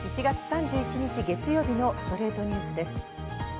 １月３１日、月曜日の『ストレイトニュース』です。